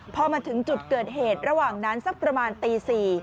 พอมาถึงจุดเกิดเหตุระหว่างนั้นสักประมาณตี๔